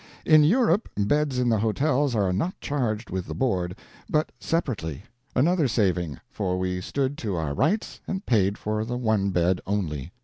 In Europe, beds in the hotels are not charged with the board, but separately another saving, for we stood to our rights and paid for the one bed only.